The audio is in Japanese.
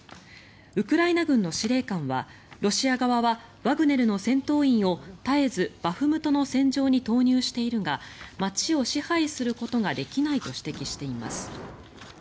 ウクライナ軍の司令官はロシア側はワグネルの戦闘員を絶えずバフムトの戦場に投入しているが街を支配することができないと指摘しています。